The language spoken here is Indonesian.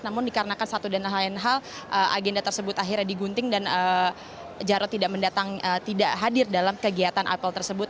namun dikarenakan satu dan lain hal agenda tersebut akhirnya digunting dan jarod tidak hadir dalam kegiatan apple tersebut